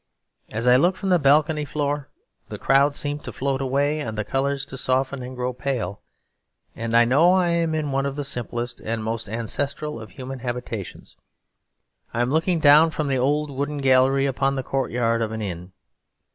As I look from the balcony floor the crowds seem to float away and the colours to soften and grow pale, and I know I am in one of the simplest and most ancestral of human habitations. I am looking down from the old wooden gallery upon the courtyard of an inn.